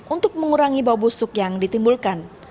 untuk mengurangi bau busuk yang ditimbulkan